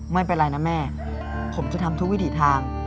ไม่เป็นไรนะแม่ผมจะทำทุกวิถีทาง